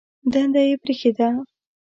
دنده یې پرېښې ده.